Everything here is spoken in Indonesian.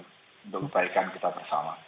untuk kebaikan kita bersama